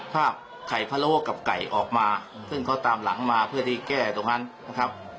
ภาพไข่พะโล้กับไก่ออกมาซึ่งเขาตามหลังมาเพื่อที่แก้ตรงนั้นนะครับ